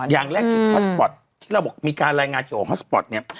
อย่างแรกจริงพาสปอร์ตที่เราบอกมีการรายงานเกี่ยวกับฮอสปอร์ตเนี่ย